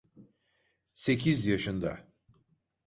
Sekiz yaşında.